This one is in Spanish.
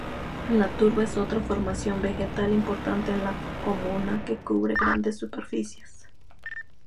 La turba es otra formación vegetal importante en la comuna que cubre grandes superficies.